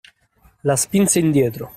La spinse indietro.